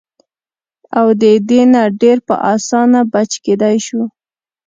او د دې نه ډېر پۀ اسانه بچ کېدے شو -